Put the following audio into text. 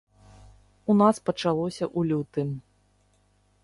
У нас пачалося ў лютым.